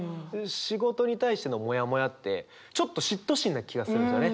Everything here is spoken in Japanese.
仕事に対してのもやもやってちょっと嫉妬心な気がするんですよね。